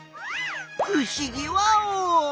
ふしぎワオ！